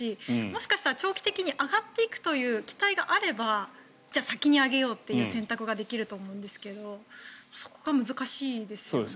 もしかしたら長期的に上がっていくという期待があればじゃあ先に上げようという選択ができると思うんですけどそこが難しいですよね。